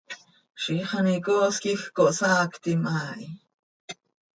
Ziix an icoos quij cohsaactim haa hi.